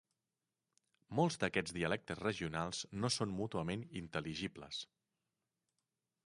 Molts d'aquests dialectes regionals no són mútuament intel·ligibles.